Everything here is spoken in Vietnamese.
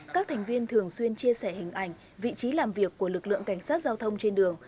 các thành viên thường xuyên chia sẻ hình ảnh vị trí làm việc của lực lượng cảnh sát giao thông trên đường